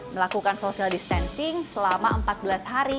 melakukan social distancing selama empat belas hari